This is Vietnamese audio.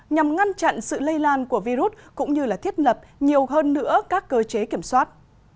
nhằm ngăn chặn sự lây lan của virus cũng như thiết lập nhiều hơn nữa các cơ chế kiểm soát